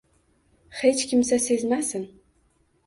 Hech kimsa sezmasin